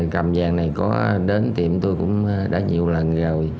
cầm vàng này có đến tiệm tôi cũng đã nhiều lần rồi